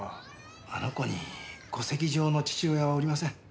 あの子に戸籍上の父親はおりません。